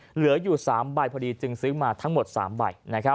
เหลืออยู่๓ใบพอดีจึงซื้อมาทั้งหมด๓ใบ